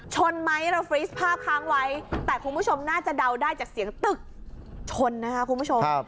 ชนไหมเราฟรีสภาพค้างไว้แต่คุณผู้ชมน่าจะเดาได้จากเสียงตึกชนนะคะคุณผู้ชม